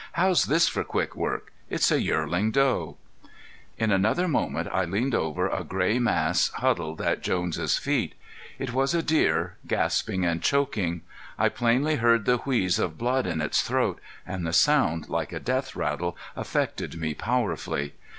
"How's this for quick work? It's a yearling doe." In another moment I leaned over a gray mass huddled at Jones feet. It was a deer gasping and choking. I plainly heard the wheeze of blood in its throat, and the sound, like a death rattle, affected me powerfully.